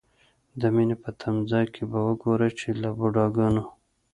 د مینې په تمځای کې به وګورئ چې له بوډاګانو.